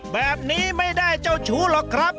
แบบนี้ไม่ได้เจ้าชู้หรอกครับ